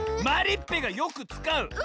まりっぺがよくつかう？